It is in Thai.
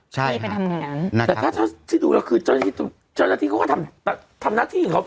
ใช่ค่ะที่ไปทำงานนะครับแต่ถ้าที่ดูแล้วคือเจ้าหน้าที่เจ้าหน้าที่เขาก็ทำทำหน้าที่เขาป่ะ